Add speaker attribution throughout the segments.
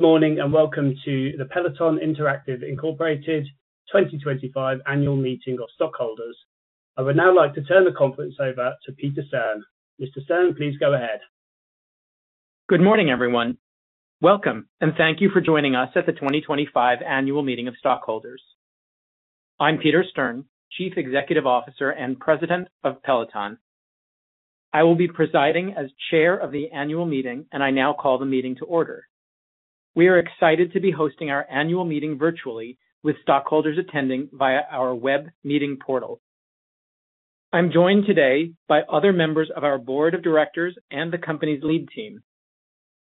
Speaker 1: Morning and welcome to the Peloton Interactive Incorporated 2025 Annual Meeting of Stockholders. I would now like to turn the conference over to Peter Stern. Mr. Stern, please go ahead.
Speaker 2: Good morning, everyone. Welcome, and thank you for joining us at the 2025 Annual Meeting of Stockholders. I'm Peter Stern, Chief Executive Officer and President of Peloton. I will be presiding as Chair of the Annual Meeting, and I now call the meeting to order. We are excited to be hosting our Annual Meeting virtually, with stockholders attending via our web meeting portal. I'm joined today by other members of our Board of Directors and the company's lead team.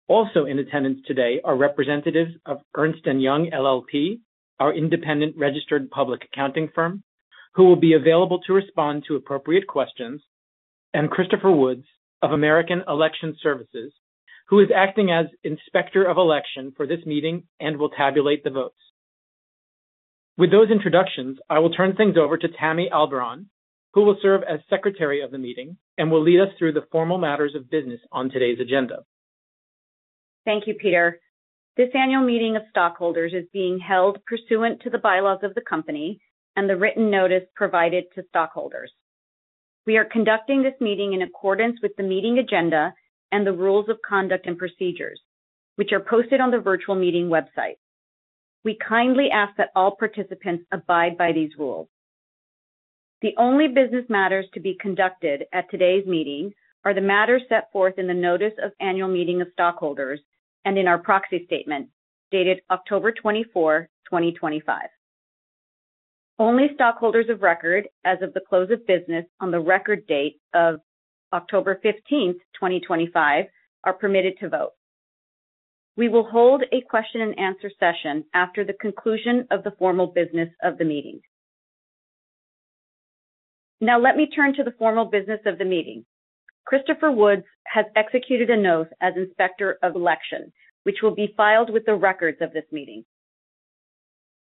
Speaker 2: Also in attendance today are representatives of Ernst & Young LLP, our independent registered public accounting firm, who will be available to respond to appropriate questions, and Christopher Woods of First Coast Results, who is acting as Inspector of Election for this meeting and will tabulate the votes. With those introductions, I will turn things over to Tammy Albarrán, who will serve as Secretary of the Meeting and will lead us through the formal matters of business on today's agenda.
Speaker 3: Thank you, Peter. This Annual Meeting of Stockholders is being held pursuant to the bylaws of the company and the written notice provided to stockholders. We are conducting this meeting in accordance with the meeting agenda and the Rules of Conduct and Procedures, which are posted on the virtual meeting website. We kindly ask that all participants abide by these rules. The only business matters to be conducted at today's meeting are the matters set forth in the Notice of Annual Meeting of Stockholders and in our Proxy Statement dated October 24, 2025. Only stockholders of record, as of the close of business on the record date of October 15, 2025, are permitted to vote. We will hold a question-and-answer session after the conclusion of the formal business of the meeting. Now, let me turn to the formal business of the meeting. Christopher Woods has executed a note as Inspector of Election, which will be filed with the records of this meeting.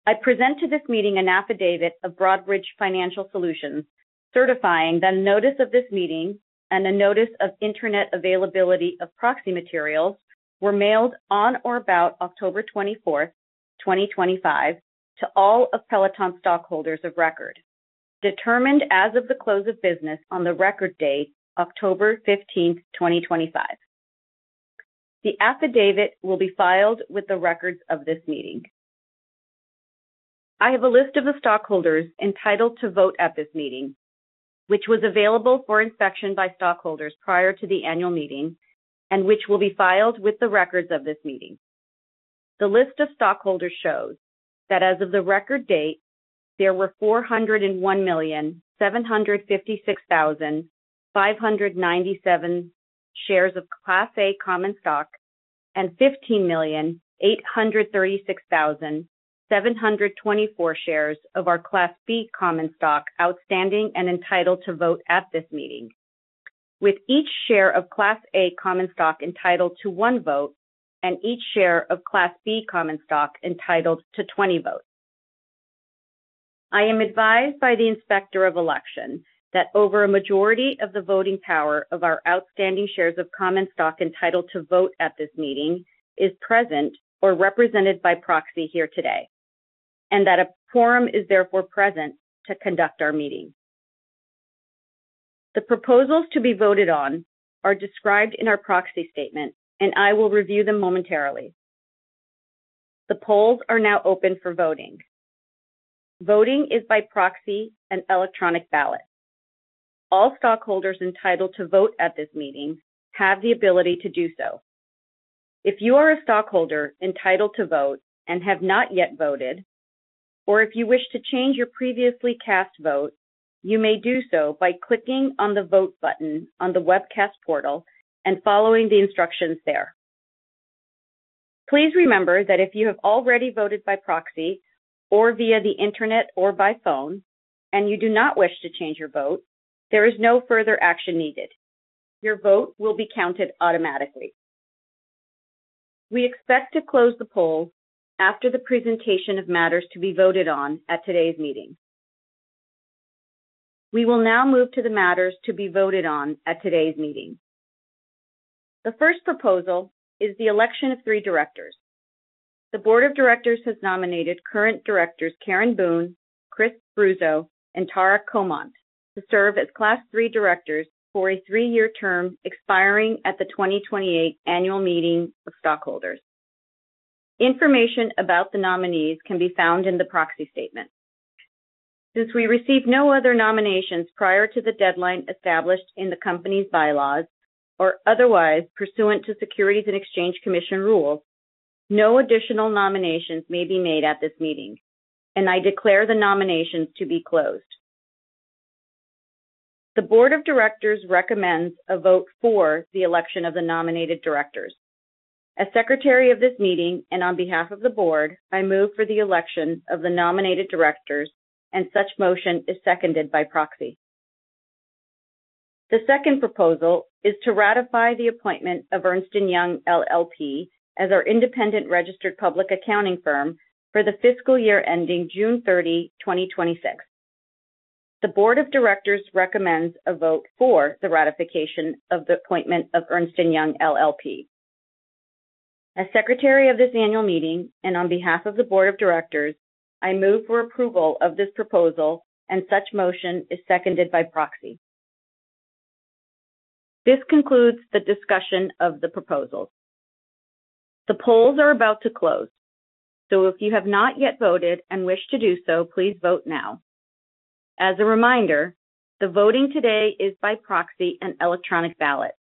Speaker 3: I present to this meeting an affidavit of Broadridge Financial Solutions certifying that a notice of this meeting and a Notice of Internet Availability of Proxy Materials were mailed on or about October 24, 2025, to all of Peloton stockholders of record, determined as of the close of business on the record date October 15, 2025. The affidavit will be filed with the records of this meeting. I have a list of the stockholders entitled to vote at this meeting, which was available for inspection by stockholders prior to the Annual Meeting and which will be filed with the records of this meeting. The list of stockholders shows that as of the record date, there were 401,756,597 shares of Class A common stock and 15,836,724 shares of our Class B common stock outstanding and entitled to vote at this meeting, with each share of Class A common stock entitled to one vote and each share of Class B common stock entitled to 20 votes. I am advised by the Inspector of Election that over a majority of the voting power of our outstanding shares of common stock entitled to vote at this meeting is present or represented by proxy here today, and that a quorum is therefore present to conduct our meeting. The proposals to be voted on are described in our Proxy Statement, and I will review them momentarily. The polls are now open for voting. Voting is by proxy and electronic ballot. All stockholders entitled to vote at this meeting have the ability to do so. If you are a stockholder entitled to vote and have not yet voted, or if you wish to change your previously cast vote, you may do so by clicking on the Vote button on the webcast portal and following the instructions there. Please remember that if you have already voted by proxy or via the internet or by phone and you do not wish to change your vote, there is no further action needed. Your vote will be counted automatically. We expect to close the poll after the presentation of matters to be voted on at today's meeting. We will now move to the matters to be voted on at today's meeting. The first proposal is the election of three directors. The Board of Directors has nominated current directors Karen Boone, Chris Bruzzo, and Tara Comonte to serve as Class III directors for a three-year term expiring at the 2028 Annual Meeting of Stockholders. Information about the nominees can be found in the Proxy Statement. Since we received no other nominations prior to the deadline established in the company's bylaws or otherwise pursuant to Securities and Exchange Commission rules, no additional nominations may be made at this meeting, and I declare the nominations to be closed. The Board of Directors recommends a vote for the election of the nominated directors. As Secretary of this meeting and on behalf of the Board, I move for the election of the nominated directors, and such motion is seconded by proxy. The second proposal is to ratify the appointment of Ernst & Young LLP as our independent registered public accounting firm for the fiscal year ending June 30, 2026. The Board of Directors recommends a vote for the ratification of the appointment of Ernst & Young LLP. As Secretary of this Annual Meeting and on behalf of the Board of Directors, I move for approval of this proposal, and such motion is seconded by proxy. This concludes the discussion of the proposals. The polls are about to close, so if you have not yet voted and wish to do so, please vote now. As a reminder, the voting today is by proxy and electronic ballot.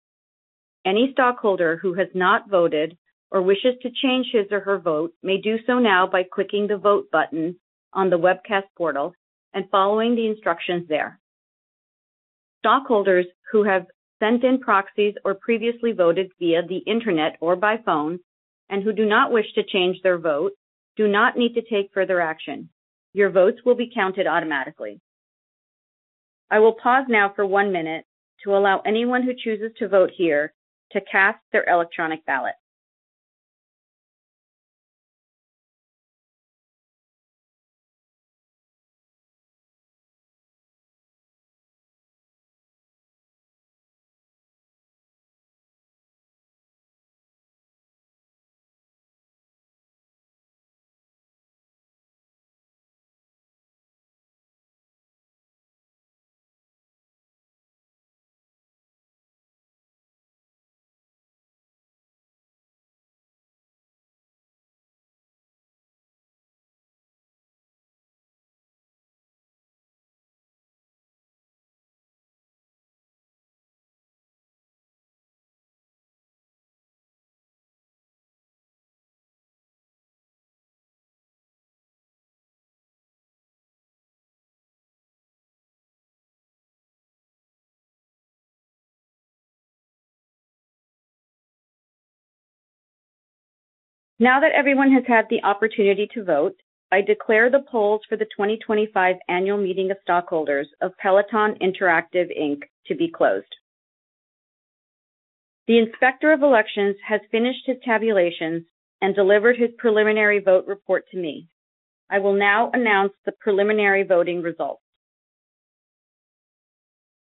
Speaker 3: Any stockholder who has not voted or wishes to change his or her vote may do so now by clicking the Vote button on the webcast portal and following the instructions there. Stockholders who have sent in proxies or previously voted via the internet or by phone and who do not wish to change their vote do not need to take further action. Your votes will be counted automatically. I will pause now for one minute to allow anyone who chooses to vote here to cast their electronic ballot. Now that everyone has had the opportunity to vote, I declare the polls for the 2025 Annual Meeting of Stockholders of Peloton Interactive, Inc. to be closed. The Inspector of Election has finished his tabulations and delivered his preliminary vote report to me. I will now announce the preliminary voting results.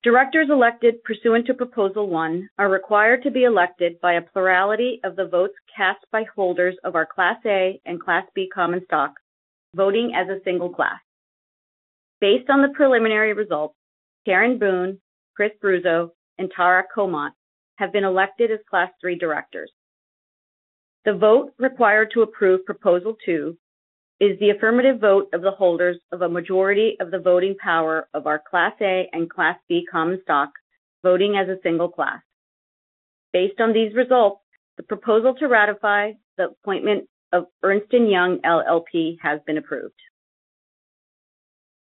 Speaker 3: Directors elected pursuant to Proposal 1 are required to be elected by a plurality of the votes cast by holders of our Class A and Class B common stock voting as a single class. Based on the preliminary results, Karen Boone, Chris Bruzzo, and Tara Comonte have been elected as Class III directors. The vote required to approve Proposal 2 is the affirmative vote of the holders of a majority of the voting power of our Class A and Class B common stock voting as a single class. Based on these results, the proposal to ratify the appointment of Ernst & Young LLP has been approved.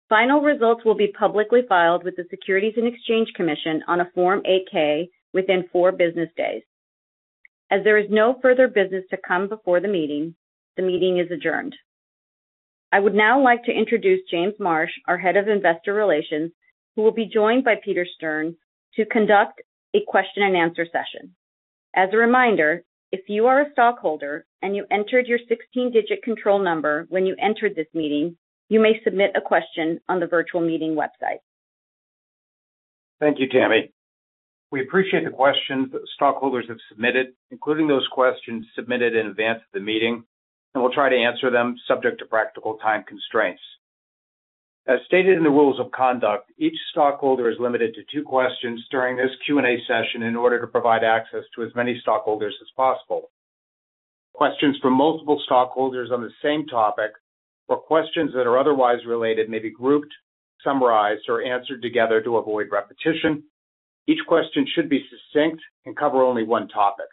Speaker 3: Final results will be publicly filed with the Securities and Exchange Commission on a Form 8-K within four business days. As there is no further business to come before the meeting, the meeting is adjourned. I would now like to introduce James Marsh, our Head of Investor Relations, who will be joined by Peter Stern to conduct a question-and-answer session. As a reminder, if you are a stockholder and you entered your 16-digit control number when you entered this meeting, you may submit a question on the virtual meeting website.
Speaker 4: Thank you, Tammy. We appreciate the questions that stockholders have submitted, including those questions submitted in advance of the meeting, and we'll try to answer them, subject to practical time constraints. As stated in the rules of conduct, each stockholder is limited to two questions during this Q&A session in order to provide access to as many stockholders as possible. Questions from multiple stockholders on the same topic or questions that are otherwise related may be grouped, summarized, or answered together to avoid repetition. Each question should be succinct and cover only one topic.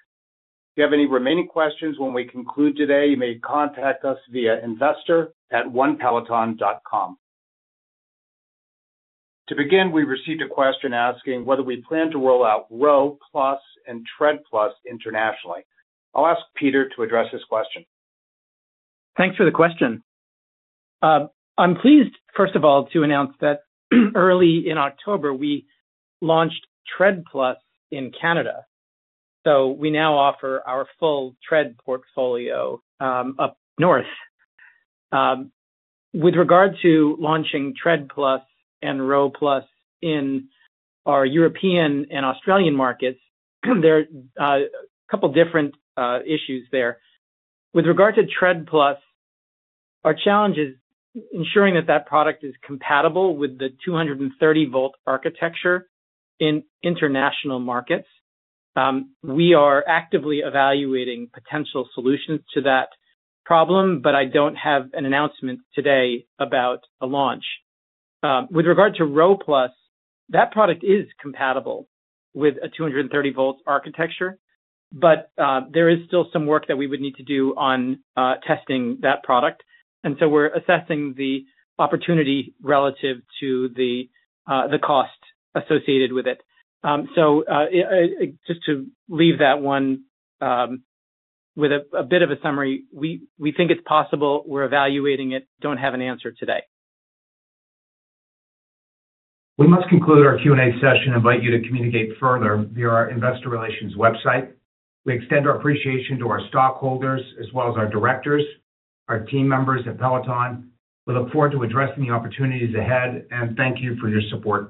Speaker 4: If you have any remaining questions when we conclude today, you may contact us via investor@onepeloton.com. To begin, we received a question asking whether we plan to roll out Peloton Row and Tread+ internationally. I'll ask Peter to address this question.
Speaker 2: Thanks for the question. I'm pleased, first of all, to announce that early in October, we launched Tread+ in Canada. So we now offer our full Tread portfolio up north. With regard to launching Tread+ and Peloton Row in our European and Australian markets, there are a couple of different issues there. With regard to Tread+, our challenge is ensuring that that product is compatible with the 230-volt architecture in international markets. We are actively evaluating potential solutions to that problem, but I don't have an announcement today about a launch. With regard to Peloton Row, that product is compatible with a 230-volt architecture, but there is still some work that we would need to do on testing that product. And so we're assessing the opportunity relative to the cost associated with it. So just to leave that one with a bit of a summary, we think it's possible. We're evaluating it. Don't have an answer today.
Speaker 4: We must conclude our Q&A session and invite you to communicate further via our Investor Relations website. We extend our appreciation to our stockholders as well as our directors, our team members at Peloton. We look forward to addressing the opportunities ahead, and thank you for your support.